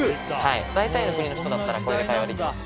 大体の国の人だったらこれで会話できます。